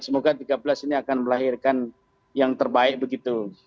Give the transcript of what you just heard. semoga tiga belas ini akan melahirkan yang terbaik begitu